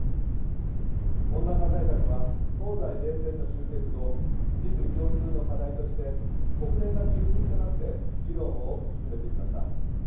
温暖化対策は東西冷戦の終結後人類共通の課題として国連が中心となって議論を進めてきました。